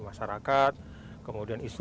masyarakat kemudian isu